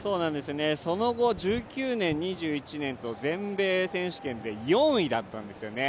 その後、１９年、２１年と全米選手権で４位だったんですね。